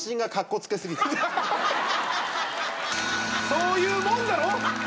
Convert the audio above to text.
そういうもんだろ